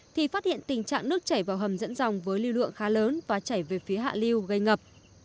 thì phát hiện tình trạng nước chảy vào hầm dẫn dòng với lưu lượng khá lớn và chảy về phía hạ liêu gây ngập